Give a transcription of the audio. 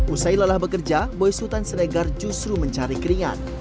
usai lelah bekerja boy sultan siregar justru mencari keringat